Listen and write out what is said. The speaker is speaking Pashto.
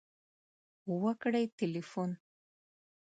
.وکړئ تلیفون